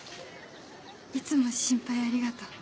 いつも心配ありがとう。